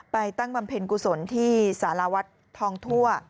ตั้งบำเพ็ญกุศลที่สารวัฒน์ทองทั่ว